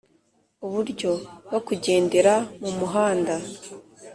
uburyo bwo kugendera mu muhanda